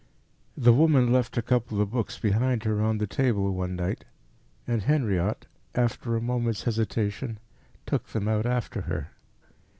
The woman left a couple of books behind her on the table one night, and Henriot, after a moment's hesitation, took them out after her.